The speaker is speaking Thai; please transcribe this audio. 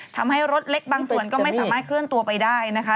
ทำให้รถเล็กบางส่วนก็ไม่สามารถเคลื่อนตัวไปได้นะคะ